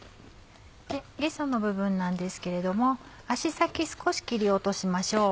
ゲソの部分なんですけれども足先少し切り落としましょう。